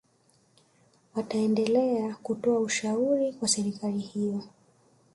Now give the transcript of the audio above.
wataendelea kutoa ushauri kwa serikali hiyo